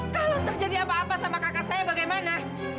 kalau terjadi apa apa sama kakak saya bagaimana